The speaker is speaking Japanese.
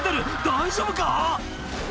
大丈夫か⁉」